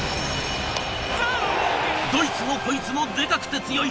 どいつもこいつもでかくて強い！